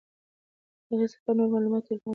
د هغې سفر نورو معلولانو ته الهام ورکوي.